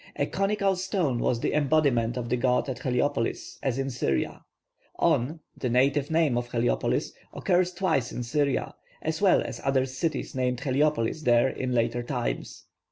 A conical stone was the embodiment of the god at Heliopolis, as in Syria. On, the native name of Heliopolis, occurs twice in Syria, as well as other cities named Heliopolis there in later times.